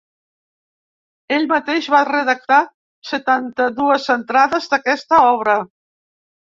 Ell mateix va redactar setanta-dues entrades d'aquesta obra.